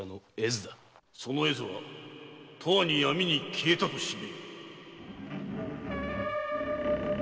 ・その絵図は永遠に闇に消えたと知れ！